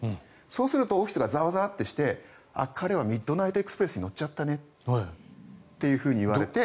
そうするとオフィスがざわざわとして彼はミッドナイトエクスプレスに乗っちゃったねって言われて。